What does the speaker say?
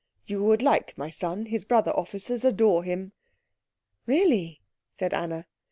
You would like my son; his brother officers adore him." "Really?" said Anna.